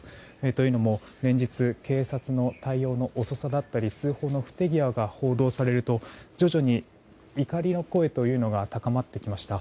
というのも、連日警察の対応の遅さだったり通報の不手際が報道されると徐々に怒りの声というのが高まってきました。